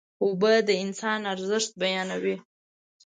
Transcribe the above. اوبه د انسان ارزښت بیانوي.